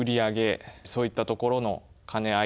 そういったところのかね合い。